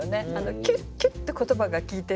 キュッキュッて言葉が効いてるの。